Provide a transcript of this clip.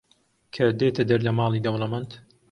کە دێتە دەر لە ماڵی دەوڵەمەند